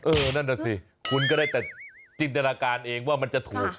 นั่นน่ะสิคุณก็ได้แต่จินตนาการเองว่ามันจะถูก